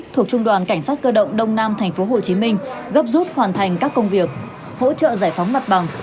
thuộc trung đoàn cảnh sát cơ động đông nam tp hcm gấp rút hoàn thành các công việc hỗ trợ giải phóng mặt bằng